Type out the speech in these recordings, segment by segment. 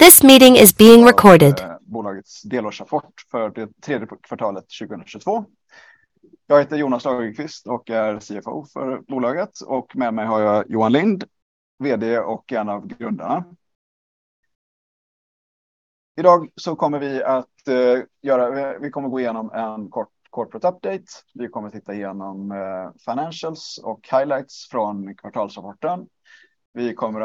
This meeting is being recorded. Bolagets delårsrapport för det tredje kvartalet 2022. Jag heter Jonas Lagerqvist och är CFO för bolaget och med mig har jag Johan Lind, VD och en av grundarna. Idag så kommer vi gå igenom en kort corporate update. Vi kommer att titta igenom financials och highlights från kvartalsrapporten. Vi kommer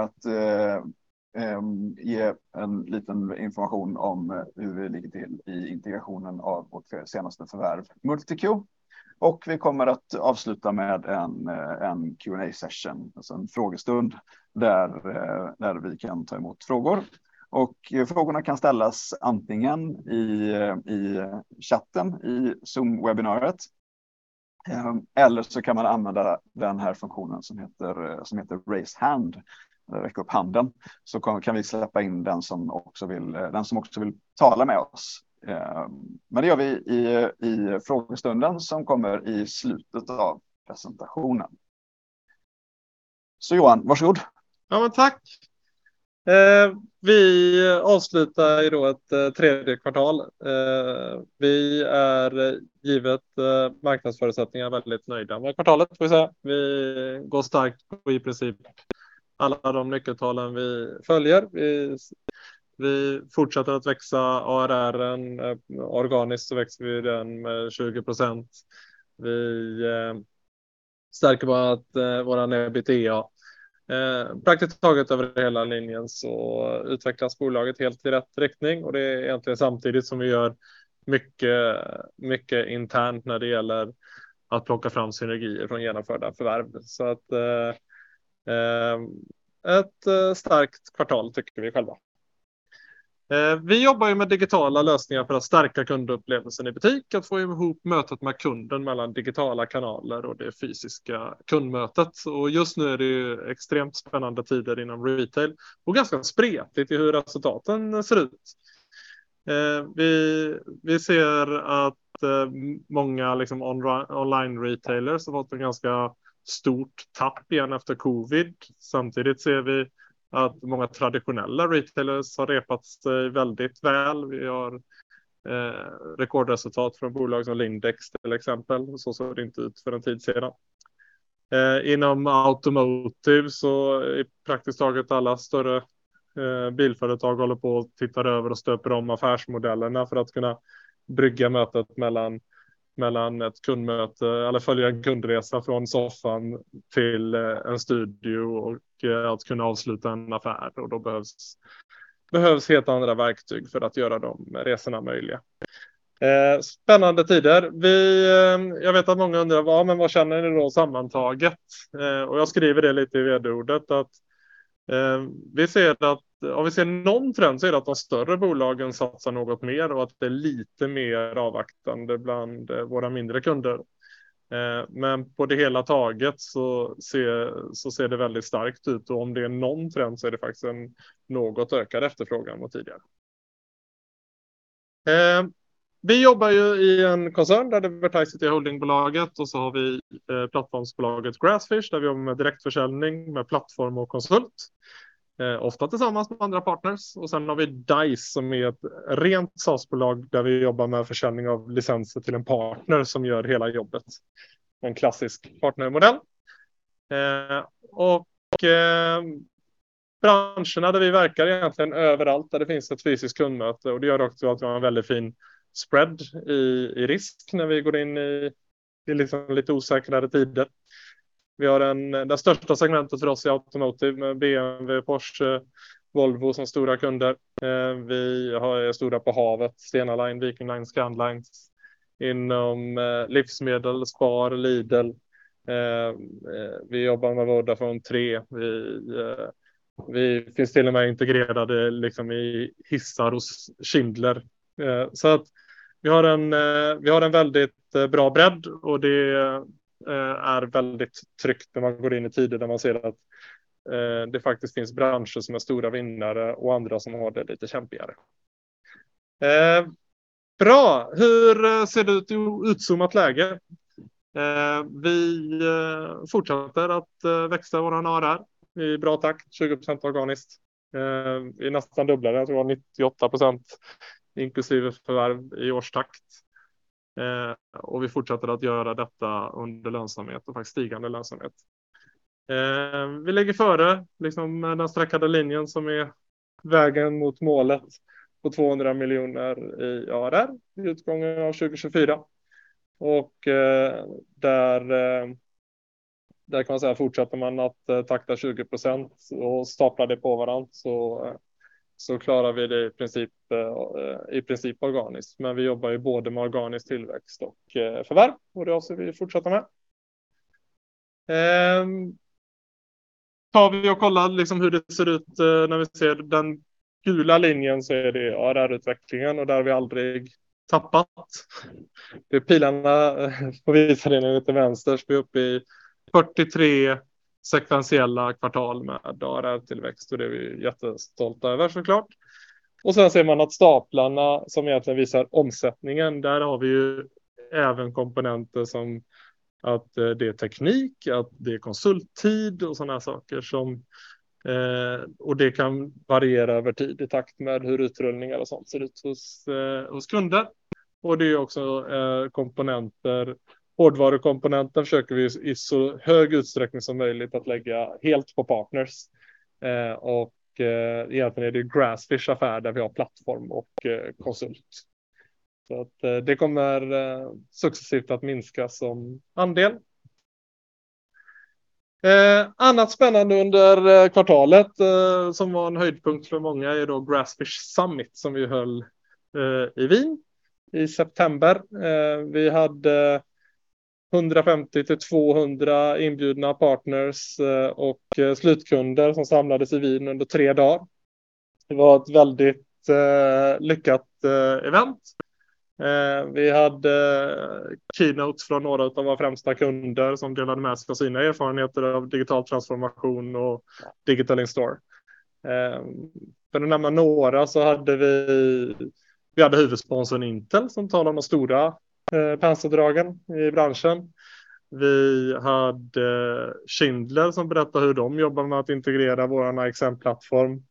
att ge en liten information om hur det ligger till i integrationen av vårt senaste förvärv, MultiQ. Vi kommer att avsluta med en Q&A-session, alltså en frågestund där vi kan ta emot frågor. Frågorna kan ställas antingen i chatten i Zoom-webbinariet. Så kan man använda den här funktionen som heter Raise Hand, räck upp handen, så kan vi släppa in den som också vill tala med oss. Det gör vi i frågestunden som kommer i slutet av presentationen. Johan, varsågod. Ja men tack. Vi avslutar ju då ett tredje kvartal. Vi är givet marknadsförutsättningar väldigt nöjda med kvartalet får vi säga. Vi går starkt på i princip alla de nyckeltalen vi följer. Vi fortsätter att växa ARR organiskt så växer vi den med 20%. Vi stärker våran EBITDA. Praktiskt taget över hela linjen så utvecklas bolaget helt i rätt riktning och det är egentligen samtidigt som vi gör mycket internt när det gäller att plocka fram synergier från genomförda förvärv. Ett starkt kvartal tycker vi själva. Vi jobbar ju med digitala lösningar för att stärka kundupplevelsen i butik, att få ihop mötet med kunden mellan digitala kanaler och det fysiska kundmötet. Just nu är det ju extremt spännande tider inom retail och ganska spretigt i hur resultaten ser ut. Vi ser att många, liksom, online retailers har fått ett ganska stort tapp igen efter Covid. Samtidigt ser vi att många traditionella retailers har repat sig väldigt väl. Vi har rekordresultat från bolag som Lindex, till exempel. Så såg det inte ut för en tid sedan. Inom automotive så är praktiskt taget alla större bilföretag håller på och tittar över och stöper om affärsmodellerna för att kunna brygga mötet mellan ett kundmöte eller följa en kundresa från soffan till en studio och att kunna avsluta en affär. Då behövs helt andra verktyg för att göra de resorna möjliga. Spännande tider. Vi Jag vet att många undrar: "Ja, men vad känner ni då sammantaget?" Jag skriver det lite i VD-ordet att vi ser att om vi ser någon trend så är det att de större bolagen satsar något mer och att det är lite mer avvaktande bland våra mindre kunder. På det hela taget så ser det väldigt starkt ut och om det är någon trend så är det faktiskt en något ökad efterfrågan mot tidigare. Vi jobbar ju i en koncern där Vertiseit är holdingbolaget och så har vi plattformsbolaget Grassfish, där vi jobbar med direktförsäljning med plattform och konsult, ofta tillsammans med andra partners. Sen har vi Dise som är ett rent SaaS-bolag där vi jobbar med försäljning av licenser till en partner som gör hela jobbet. En klassisk partnermodell. Branscherna där vi verkar är egentligen överallt där det finns ett fysiskt kundmöte och det gör också att vi har en väldigt fin spread i risk när vi går in i liksom lite osäkrare tider. Vi har det största segmentet för oss är automotive med BMW, Porsche, Volvo som stora kunder. Vi har stora på havet, Stena Line, Viking Line, Scandlines. Inom livsmedel, Spar, Lidl. Vi jobbar med Axfood, ICA. Vi finns till och med integrerade liksom i hissar hos Schindler. Så vi har en väldigt bra bredd och det är väldigt tryggt när man går in i tider där man ser att det faktiskt finns branscher som är stora vinnare och andra som har det lite kämpigare. Bra. Hur ser det ut i utzoomad läge? Vi fortsätter att växa vår ARR i bra takt, 20% organiskt. Är nästan dubblare, jag tror 98% inklusive förvärv i årstakt. Vi fortsätter att göra detta under lönsamhet och faktiskt stigande lönsamhet. Vi ligger före liksom den streckade linjen som är vägen mot målet på 200 miljoner i ARR i utgången av 2024. Där kan man säga fortsätter man att takta 20% och stapla det på varann så klarar vi det i princip organiskt. Vi jobbar ju både med organisk tillväxt och förvärv och det avser vi fortsätta med. Tar vi och kollar liksom hur det ser ut när vi ser den gula linjen så är det ARR-utvecklingen och där har vi aldrig tappat. Det är pilarna på visningen ute till vänster så är vi uppe i 43 sekventiella kvartal med ARR-tillväxt och det är vi jättestolta över så klart. Och sen ser man att staplarna som egentligen visar omsättningen, där har vi ju även komponenter som att det är teknik, att det är konsulttid och sådana här saker som, och det kan variera över tid i takt med hur utrullningar och sånt ser ut hos kunder. Och det är också komponenter, hårdvarukomponenter försöker vi i så hög utsträckning som möjligt att lägga helt på partners. Och egentligen är det Grassfish-affär där vi har plattform och konsult. Så att det kommer successivt att minska som andel. Annat spännande under kvartalet som var en höjdpunkt för många är då Grassfish Summit som vi höll i Wien i september. Vi hade 150 till 200 inbjudna partners och slutkunder som samlades i Wien under 3 dagar. Det var ett väldigt lyckat event. Vi hade keynotes från några av våra främsta kunder som delade med sig av sina erfarenheter av digital transformation och digital in-store. För att nämna några så hade vi huvudsponsorn Intel som talar de stora penseldragen i branschen. Vi hade Schindler som berättar hur de jobbar med att integrera vår IXM-plattform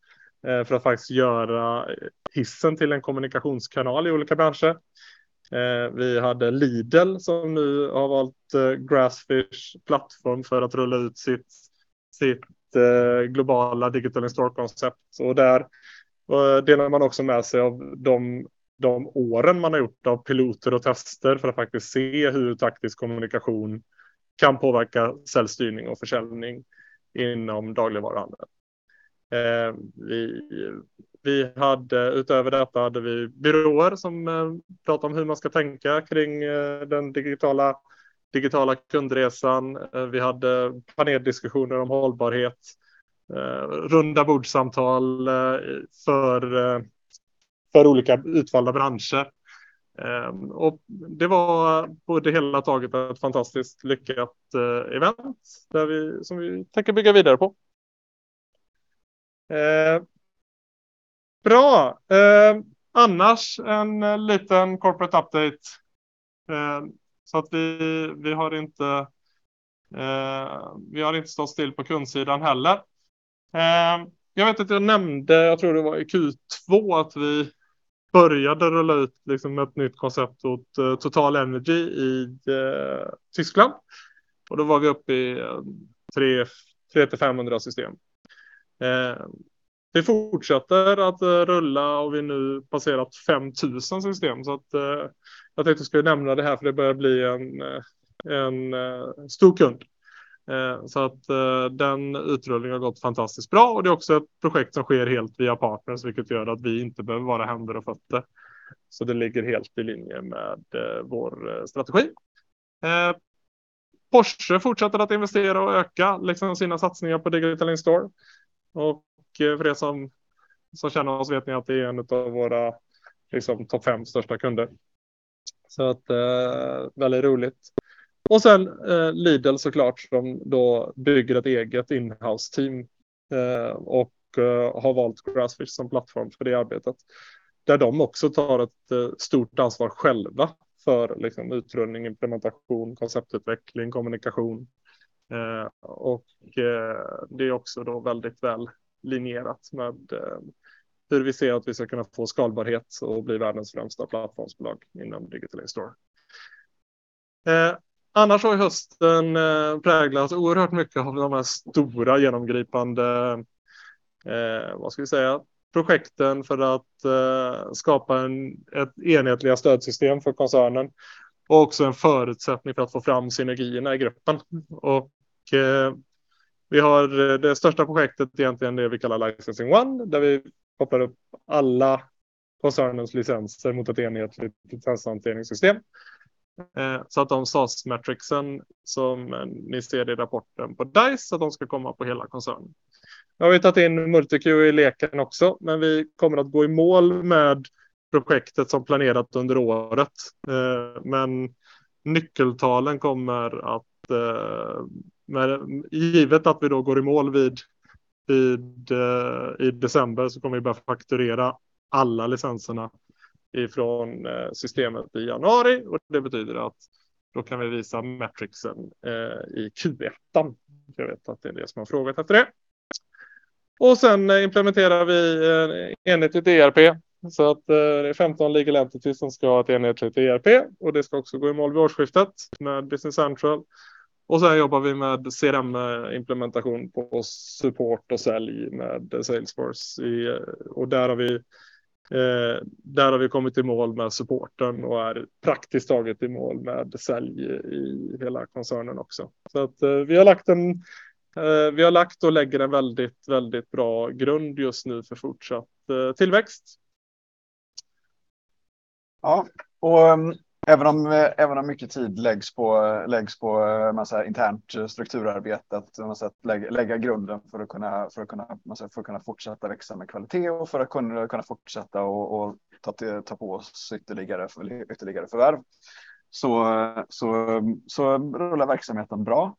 för att faktiskt göra hissen till en kommunikationskanal i olika branscher. Vi hade Lidl som nu har valt Grassfish-plattform för att rulla ut sitt globala digital in-store-koncept. Där delade man också med sig av de åren man har gjort av piloter och tester för att faktiskt se hur taktisk kommunikation kan påverka säljstyrning och försäljning inom dagligvaruhandeln. Vi hade utöver detta byråer som pratade om hur man ska tänka kring den digitala kundresan. Vi hade paneldiskussioner om hållbarhet, rundabordssamtal för olika utvalda branscher. Det var på det hela taget ett fantastiskt lyckat event där vi som vi tänker bygga vidare på. Annars en liten corporate update. Vi har inte stått still på kundsidan heller. Jag vet inte om jag nämnde, jag tror det var i Q2 att vi började rulla ut liksom ett nytt koncept åt TotalEnergies i Tyskland. Då var vi upp i 300-500 system. Vi fortsätter att rulla och vi har nu passerat 5,000 system. Jag tänkte jag skulle nämna det här för det börjar bli en stor kund. Den utrullningen har gått fantastiskt bra och det är också ett projekt som sker helt via partners, vilket gör att vi inte behöver vara händer och fötter. Det ligger helt i linje med vår strategi. Porsche fortsätter att investera och öka liksom sina satsningar på digital in-store. För er som känner oss vet ni att det är en utav våra liksom topp fem största kunder. Väldigt roligt. Sedan Lidl så klart som då bygger ett eget in-house-team och har valt Grassfish som plattform för det arbetet. Där de också tar ett stort ansvar själva för liksom utrullning, implementation, konceptutveckling, kommunikation. Det är också då väldigt väl linjerat med hur vi ser att vi ska kunna få skalbarhet och bli världens främsta plattformsbolag inom digital in-store. Annars har hösten präglats oerhört mycket av de här stora genomgripande, vad ska vi säga, projekten för att skapa ett enhetligt stödsystem för koncernen och också en förutsättning för att få fram synergierna i gruppen. Vi har det största projektet egentligen, det vi kallar Licensing One, där vi kopplar upp alla koncernens licenser mot ett enhetligt licenshanteringssystem. Så att den SaaS-matrixen som ni ser i rapporten på Dise, att den ska komma på hela koncernen. Nu har vi tagit in MultiQ i leken också, men vi kommer att gå i mål med projektet som planerat under året. Nyckeltalen kommer att, givet att vi då går i mål vid i december så kommer vi börja fakturera alla licenserna ifrån systemet i januari och det betyder att då kan vi visa matrixen i Q1. Jag vet att det är det som ni har frågat efter. Implementerar vi en enhetlig ERP. Det är 15 legal entities som ska ha ett enhetligt ERP och det ska också gå i mål vid årsskiftet med Business Central. Jobbar vi med CRM-implementation på support och sälj med Salesforce. Där har vi kommit i mål med supporten och är praktiskt taget i mål med sälj i hela koncernen också. Vi har lagt och lägger en väldigt bra grund just nu för fortsatt tillväxt. Ja, och även om mycket tid läggs på en massa internt strukturarbetet. På nåt sätt lägga grunden för att kunna fortsätta växa med kvalitet och för att kunna fortsätta och ta på oss ytterligare förvärv. Så rullar verksamheten bra.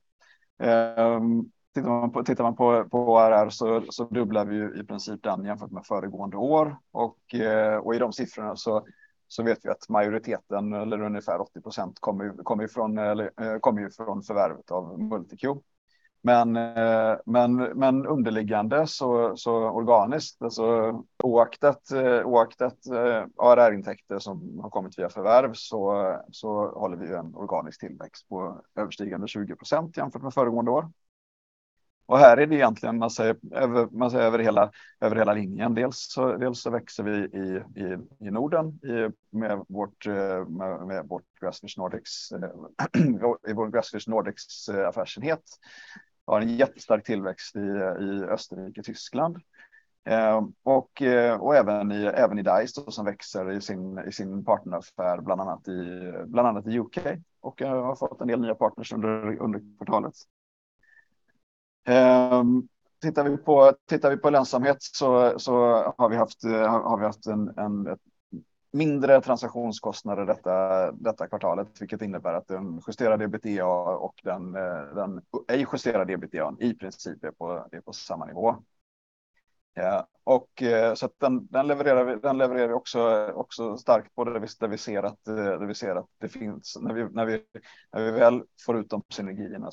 Tittar man på ARR så dubblar vi ju i princip den jämfört med föregående år. Och i de siffrorna så vet vi att majoriteten eller ungefär 80% kommer ju från förvärvet av MultiQ. Men underliggande så organiskt, alltså oaktat ARR-intäkter som har kommit via förvärv så håller vi en organisk tillväxt på överstigande 20% jämfört med föregående år. Här är det egentligen, om man säger, över hela linjen. Dels så växer vi i Norden med vårt Grassfish Nordics, i vår Grassfish Nordics affärsenhet. Har en jättestark tillväxt i Österrike, Tyskland. Och även i Dise då som växer i sin partneraffär, bland annat i UK och har fått en del nya partners under kvartalet. Tittar vi på lönsamhet så har vi haft ett mindre transaktionskostnader detta kvartalet, vilket innebär att den justerade EBITDA och den ej justerade EBITDA:n i princip är på samma nivå. Ja, och så att den levererar vi också starkt både där vi ser att det finns. När vi väl får ut de synergierna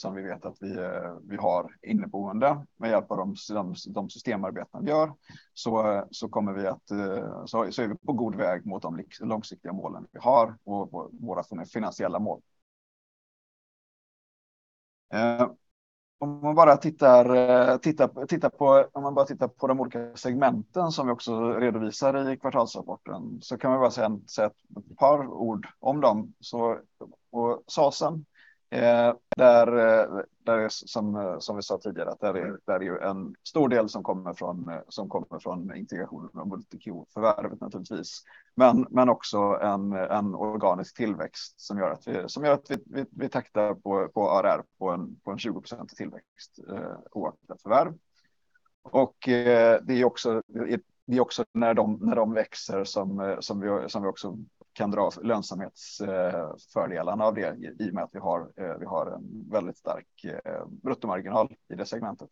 som vi vet att vi har inneboende med hjälp av de systemarbeten vi gör, så kommer vi att, så är vi på god väg mot de långsiktiga målen vi har och våra sådana finansiella mål. Om man bara tittar på de olika segmenten som vi också redovisar i kvartalsrapporten, så kan man bara säga ett par ord om dem. På SaaS:en, där som vi sa tidigare, att där är ju en stor del som kommer från integrationen av MultiQ förvärvet naturligtvis. Även en organisk tillväxt som gör att vi taktar på ARR på en 20% tillväxt oavsett förvärv. Det är också när de växer som vi också kan dra lönsamhetsfördelarna av det i och med att vi har en väldigt stark bruttomarginal i det segmentet.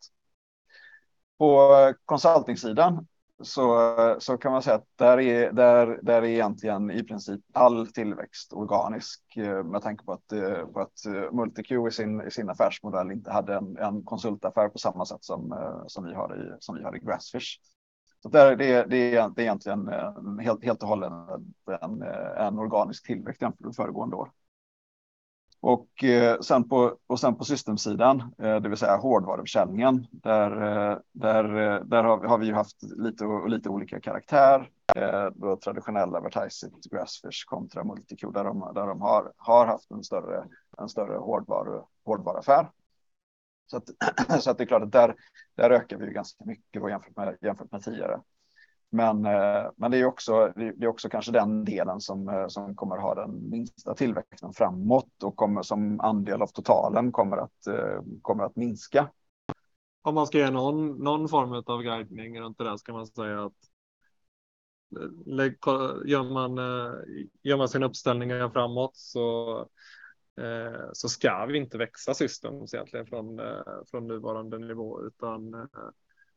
På konsultingsidan kan man säga att där är egentligen i princip all tillväxt organisk. Med tanke på att MultiQ i sin affärsmodell inte hade en konsultaffär på samma sätt som vi har i Grassfish. Där är egentligen helt och hållet en organisk tillväxt jämfört med föregående år. På systemsidan, det vill säga hårdvaruförsäljningen, där har vi ju haft lite olika karaktär. Traditionella Vertiseit, Grassfish kontra MultiQ, där de har haft en större hårdvaruaffär. Det är klart att där ökar vi ju ganska mycket då jämfört med tidigare. Det är också kanske den delen som kommer att ha den minsta tillväxten framåt och kommer som andel av totalen kommer att minska. Om man ska ge någon form av guidning runt det där ska man säga att gör man sin uppställning framåt så ska vi inte växa systemet egentligen från nuvarande nivå. Utan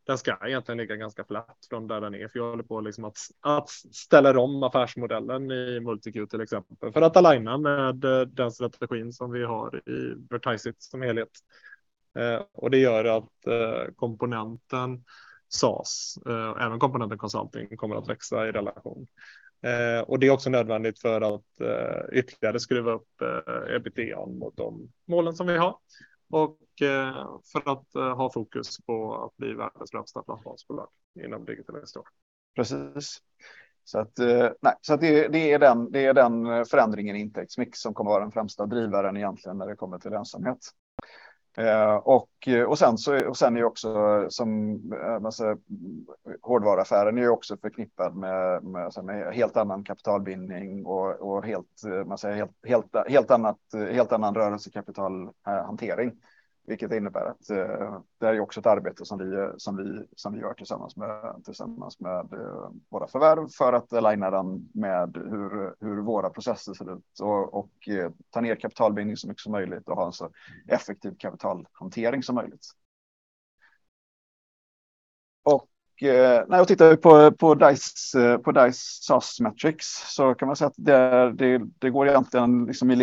den ska egentligen ligga ganska platt från där den är. För vi håller på att ställa om affärsmodellen i MultiQ, till exempel, för att aligna med den strategin som vi har i Vertiseit som helhet. Och det gör att komponenten SaaS, även komponenten consulting, kommer att växa i relation. Och det är också nödvändigt för att ytterligare skruva upp EBITDA:n mot de målen som vi har. För att ha fokus på att bli världens främsta plattformsbolag inom digital in-store. Precis. Det är den förändringen i intäktsmix som kommer att vara den främsta drivaren egentligen när det kommer till lönsamhet. Hårdvaruaffären är också förknippad med sån helt annan kapitalbindning och, om man säger, helt annan rörelsekapitalhantering. Vilket innebär att det är också ett arbete som vi gör tillsammans med våra förvärv för att aligna den med hur våra processer ser ut och ta ner kapitalbindning så mycket som möjligt och ha en så effektiv kapitalhantering som möjligt. När jag tittar på Dise, på Dise SaaS Metrics så kan man säga att det går egentligen i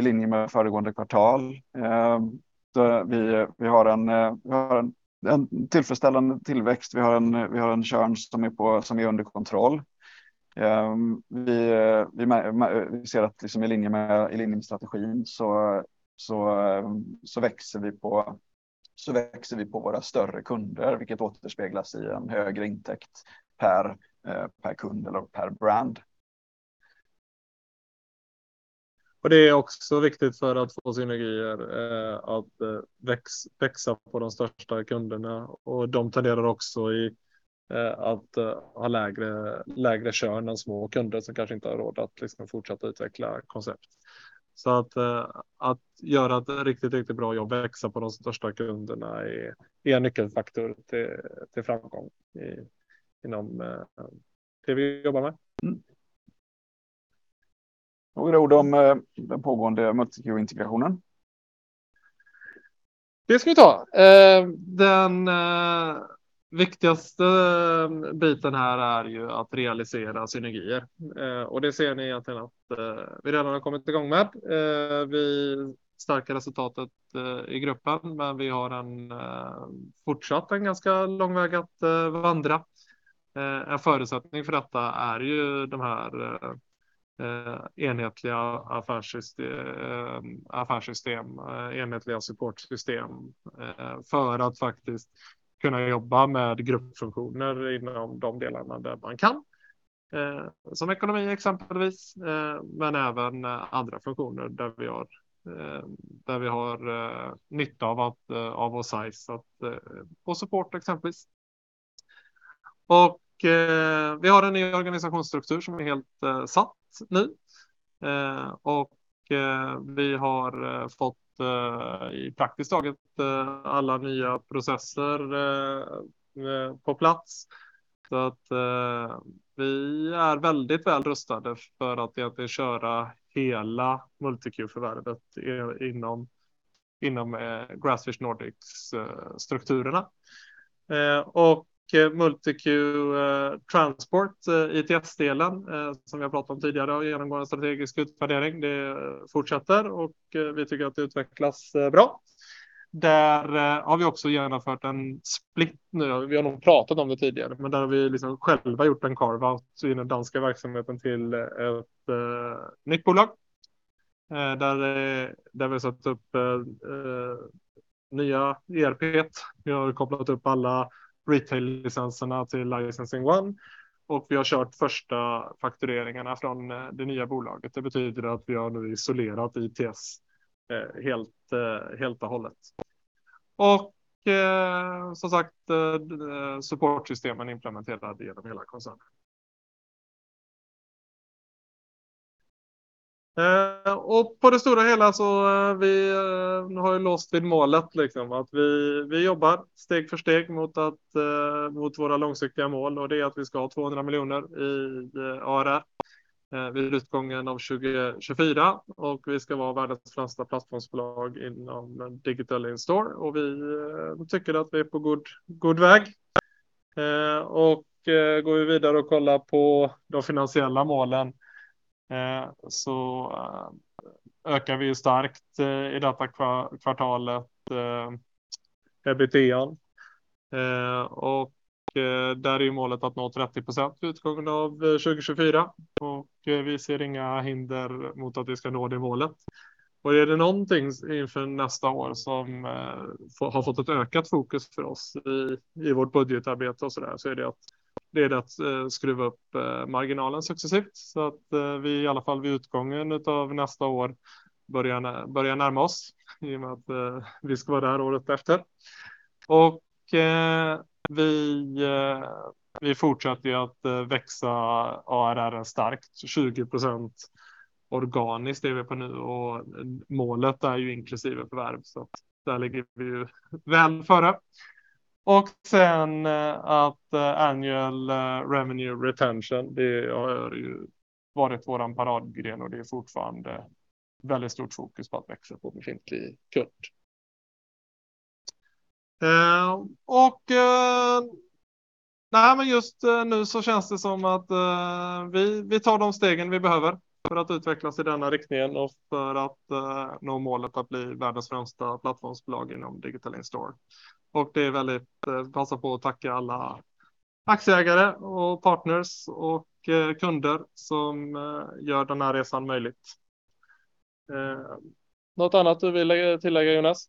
linje med föregående kvartal. Vi har en tillfredsställande tillväxt. Vi har en churn som är under kontroll. Vi mäter, vi ser att i linje med strategin så växer vi på våra större kunder, vilket återspeglas i en högre intäkt per kund eller per brand. Det är också viktigt för att få synergier, att växa på de största kunderna. De tenderar också att ha lägre churn än små kunder som kanske inte har råd att liksom fortsätta utveckla koncept. Att göra ett riktigt bra jobb och växa på de största kunderna är en nyckelfaktor till framgång inom det vi jobbar med. Några ord om den pågående MultiQ-integrationen. Det ska vi ta. Den viktigaste biten här är ju att realisera synergier. Det ser ni egentligen att vi redan har kommit igång med. Vi stärker resultatet i gruppen, men vi har en fortsatt ganska lång väg att vandra. En förutsättning för detta är ju de här enhetliga affärssystem, enhetliga supportsystem för att faktiskt kunna jobba med gruppfunktioner inom de delarna där man kan. Som ekonomi exempelvis, men även andra funktioner där vi har nytta av att av vår size att på support exempelvis. Vi har en ny organisationsstruktur som är helt satt nu. Vi har fått i praktiken alla nya processer på plats. Så att vi är väldigt väl rustade för att egentligen köra hela MultiQ-förvärvet inom Grassfish Nordics strukturerna. MultiQ Transport, ITS-delen som vi har pratat om tidigare, genomgår en strategisk utvärdering. Det fortsätter och vi tycker att det utvecklas bra. Där har vi också genomfört en split nu. Vi har nog pratat om det tidigare, men där har vi liksom själva gjort en carve out i den danska verksamheten till ett nytt bolag. Där vi har satt upp nya ERP:et. Vi har kopplat upp alla retail-licenserna till LicensingOne och vi har kört första faktureringarna från det nya bolaget. Det betyder att vi har nu isolerat ITS helt och hållet. Som sagt, supportsystemen implementerade igenom hela koncernen. På det stora hela så vi har ju låst vid målet, liksom. Att vi jobbbar steg för steg mot våra långsiktiga mål och det är att vi ska ha SEK 200 million i ARR vid utgången av 2024. Vi ska vara världens främsta plattformsbolag inom digital in-store och vi tycker att vi är på god väg. Går vi vidare och kollar på de finansiella målen, så ökar vi ju starkt i detta kvartalet, EBITDA:n. Där är målet att nå 30% vid utgången av 2024. Vi ser inga hinder mot att vi ska nå det målet. Är det någonting inför nästa år som har fått ett ökat fokus för oss i vårt budgetarbete och sådär, så är det att skruva upp marginalen successivt. Så att vi i alla fall vid utgången av nästa år börjar närma oss i och med att vi ska vara där året efter. Vi fortsätter ju att växa ARR:n starkt. 20% organiskt är vi på nu och målet är ju inklusive förvärv. Så att där ligger vi ju väl före. Sen att annual revenue retention, det har ju varit vår paradgren och det är fortfarande väldigt stort fokus på att växa på befintlig kund. Nej men just nu så känns det som att vi tar de stegen vi behöver för att utvecklas i denna riktning och för att nå målet att bli världens främsta plattformsbolag inom digital in-store. Passar på att tacka alla aktieägare och partners och kunder som gör den här resan möjlig. Något annat du vill lägga till, Jonas?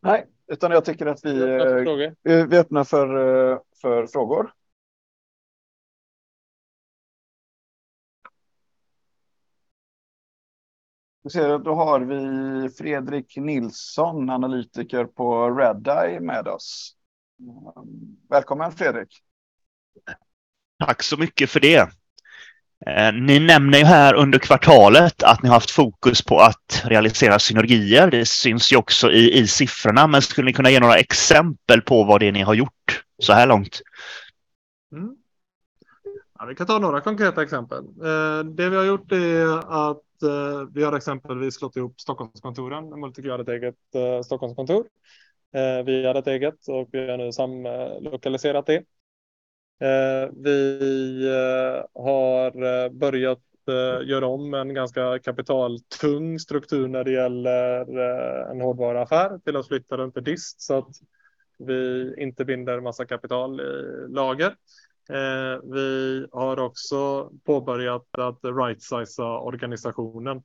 Nej, utan jag tycker att vi är öppna för frågor. Då ser jag att då har vi Fredrik Nilsson, analytiker på Redeye med oss. Välkommen Fredrik. Tack så mycket för det. Ni nämner ju här under kvartalet att ni haft fokus på att realisera synergier. Det syns ju också i siffrorna, men skulle ni kunna ge några exempel på vad det är ni har gjort så här långt? Ja, vi kan ta några konkreta exempel. Det vi har gjort är att vi har exempelvis slagit ihop Stockholmskontoren. MultiQ hade ett eget Stockholmskontor. Vi hade ett eget och vi har nu samlokaliserat det. Vi har börjat göra om en ganska kapitaltung struktur när det gäller en hållbar affär till att flytta den till DIS, så att vi inte binder massa kapital i lager. Vi har också påbörjat att rightsizea organisationen.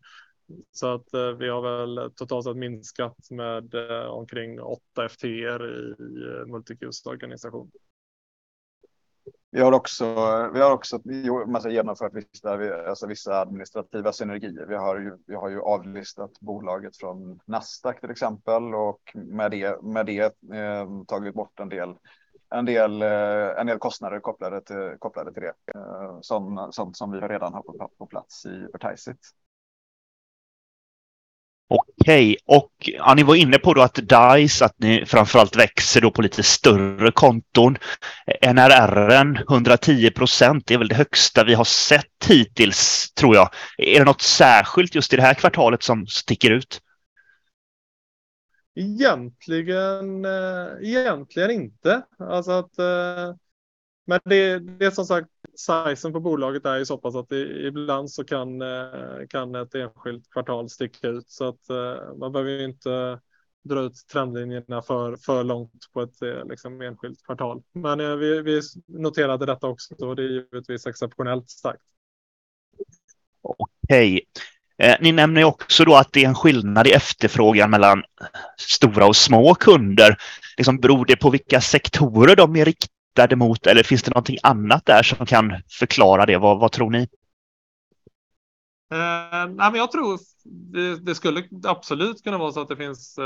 Så att vi har väl totalt sett minskat med omkring 8 FTE i MultiQs organisation. Vi har också genomfört vissa administrativa synergier. Vi har ju avlistat bolaget från Nasdaq till exempel och med det tagit bort en del kostnader kopplade till det. Sånt som vi redan har på plats i Vertiseit. Okej, ja ni var inne på då att Dise, att ni framför allt växer då på lite större konton. NRR:en, 110%, det är väl det högsta vi har sett hittills tror jag. Är det något särskilt just i det här kvartalet som sticker ut? Egentligen inte. Alltså, men det som sagt, storleken på bolaget är ju så pass att ibland kan ett enskilt kvartal sticka ut. Så att man behöver ju inte dra ut trendlinjerna för långt på ett liksom enskilt kvartal. Men vi noterade detta också. Det är givetvis exceptionellt starkt. Okej. Ni nämner också då att det är en skillnad i efterfrågan mellan stora och små kunder. Liksom beror det på vilka sektorer de är riktade mot? Eller finns det någonting annat där som kan förklara det? Vad tror ni? Nej, men jag tror det skulle absolut kunna vara så att det finns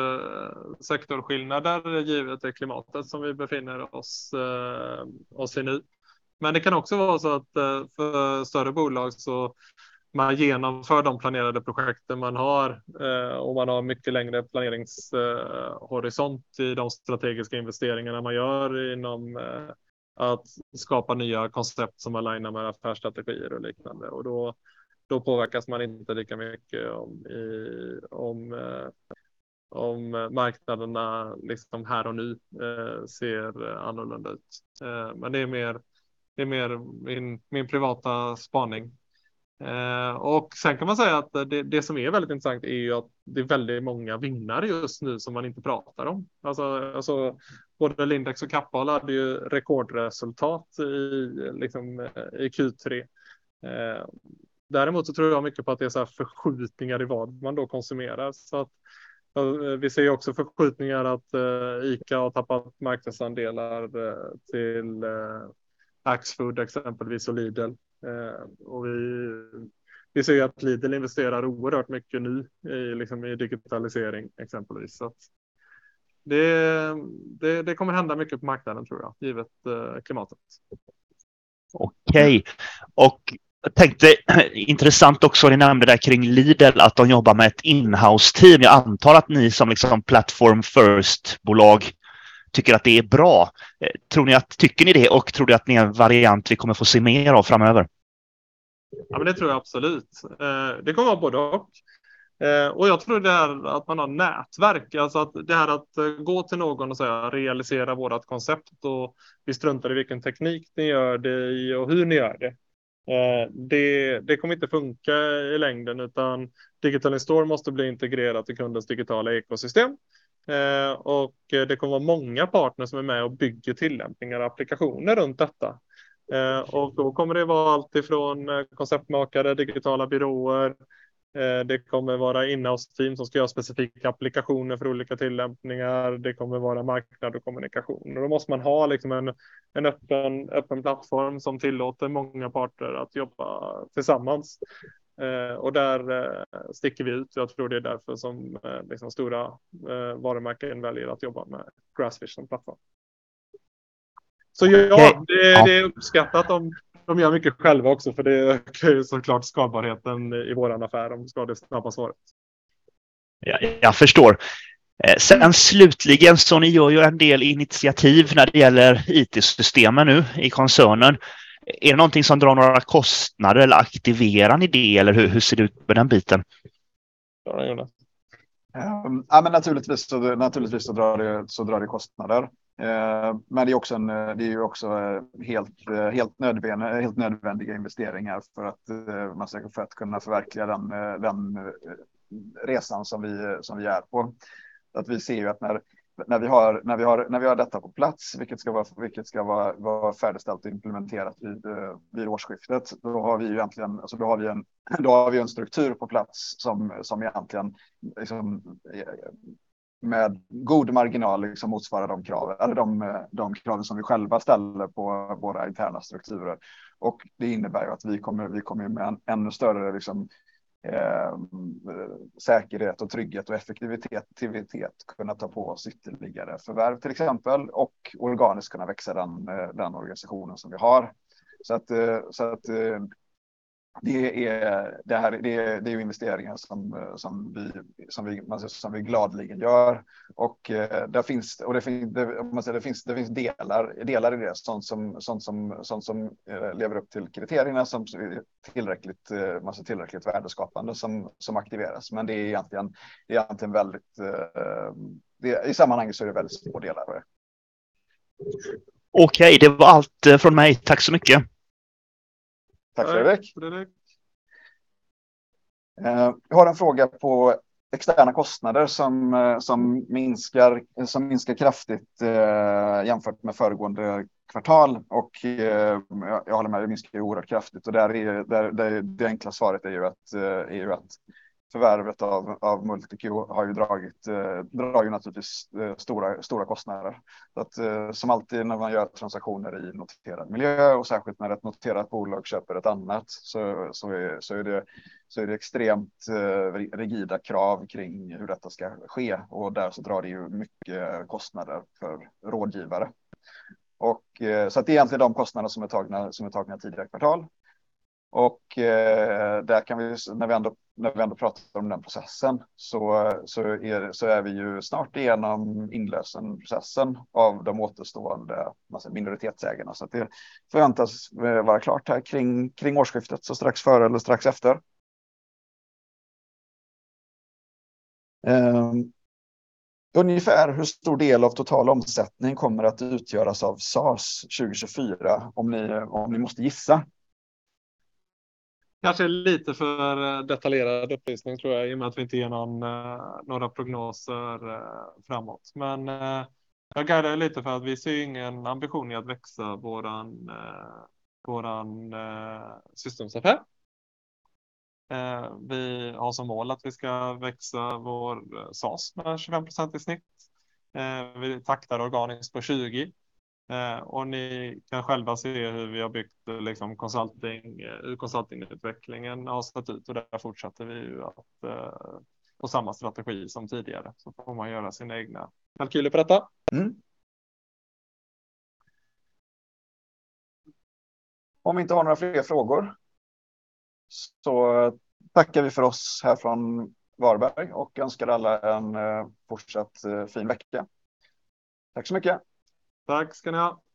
sektorsskillnader givet det klimatet som vi befinner oss i nu. Det kan också vara så att för större bolag så man genomför de planerade projekten man har och man har mycket längre planeringshorisont i de strategiska investeringarna man gör inom att skapa nya koncept som alignar med affärsstrategier och liknande. Då påverkas man inte lika mycket om marknaderna liksom här och nu ser annorlunda ut. Det är mer min privata spaning. Sen kan man säga att det som är väldigt intressant är att det är väldigt många vinnare just nu som man inte pratar om. Alltså, både Lindex och KappAhl hade ju rekordresultat i liksom Q3. Däremot så tror jag mycket på att det är såhär förskjutningar i vad man då konsumerar. Vi ser också förskjutningar att ICA har tappat marknadsandelar till Axfood, exempelvis och Lidl. Vi ser att Lidl investerar oerhört mycket nu i liksom i digitalisering, exempelvis. Det kommer hända mycket på marknaden tror jag, givet klimatet. Okej, jag tänkte intressant också det ni nämnde där kring Lidl, att de jobbar med ett in-house team. Jag antar att ni som liksom platform-first bolag tycker att det är bra. Tycker ni det och tror ni att det är en variant vi kommer att få se mer av framöver? Ja, men det tror jag absolut. Det kommer vara både och. Jag tror det här att man har nätverk. Alltså att det här att gå till någon och säga realisera vårt koncept och vi struntar i vilken teknik ni gör det i och hur ni gör det. Det kommer inte funka i längden utan Digital In-store måste bli integrerat i kundens digitala ekosystem. Det kommer vara många partners som är med och bygger tillämpningar och applikationer runt detta. Då kommer det vara alltifrån konceptmakare, digitala byråer. Det kommer vara in-house team som ska göra specifika applikationer för olika tillämpningar. Det kommer vara marknad och kommunikation. Då måste man ha liksom en öppen plattform som tillåter många parter att jobba tillsammans. Där sticker vi ut. Jag tror det är därför som stora varumärken väljer att jobba med Grassfish som plattform. Ja, det är uppskattat. De gör mycket själva också för det ökar ju så klart skalbarheten i vår affär om det ska gå snabbare. Jag förstår. Slutligen så ni gör ju en del initiativ när det gäller IT-systemen nu i koncernen. Är det någonting som drar några kostnader eller aktiverar ni det? Eller hur ser det ut med den biten? Ja, men naturligtvis så drar det kostnader. Det är också en, det är ju också helt nödvändiga investeringar för att kunna förverkliga den resan som vi är på. Vi ser ju att när vi har detta på plats, vilket ska vara färdigställt och implementerat vid årsskiftet, då har vi en struktur på plats som egentligen med god marginal motsvarar de kraven. Eller de kraven som vi själva ställer på våra interna strukturer. Det innebär att vi kommer med ännu större säkerhet och trygghet och effektivitet kunna ta på oss ytterligare förvärv, till exempel, och organiskt kunna växa den organisationen som vi har. Det är investeringar som vi gladeligen gör. Där finns delar i det, sådant som lever upp till kriterierna, som tillräckligt värdeskapande som aktiveras. Det är egentligen väldigt i sammanhanget så är det väldigt stor del av det. Okej, det var allt från mig. Tack så mycket. Tack Fredrik. Jag har en fråga på externa kostnader som minskar kraftigt jämfört med föregående kvartal och jag håller med, det minskar oerhört kraftigt. Det enkla svaret är ju att förvärvet av MultiQ har ju dragit, drar ju naturligtvis stora kostnader. Som alltid när man gör transaktioner i noterad miljö och särskilt när ett noterat bolag köper ett annat, är det extremt rigida krav kring hur detta ska ske. Där drar det ju mycket kostnader för rådgivare. Det är egentligen de kostnader som är tagna tidigare kvartal. När vi ändå pratar om den processen, är vi ju snart igenom inlösenprocessen av de återstående minoritetsägarna. Det förväntas vara klart här kring årsskiftet, strax före eller strax efter. Ungefär hur stor del av total omsättning kommer att utgöras av SaaS 2024 om ni måste gissa? Kanske lite för detaljerad upplysning tror jag i och med att vi inte ger några prognoser framåt. Jag guidar lite för att vi ser ingen ambition i att växa våran systems FR. Vi har som mål att vi ska växa vår SaaS med 25% i snitt. Vi taktar organiskt på 20%. Ni kan själva se hur vi har byggt consulting-utvecklingen har sett ut och där fortsätter vi ju att på samma strategi som tidigare. Man får göra sina egna kalkyler på detta. Om vi inte har några fler frågor så tackar vi för oss här från Varberg och önskar alla en fortsatt fin vecka. Tack så mycket. Tack ska ni ha.